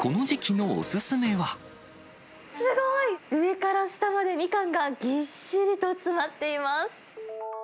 すごい！上から下までみかんがぎっしりと詰まっています。